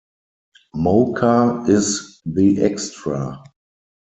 Moka is the extra.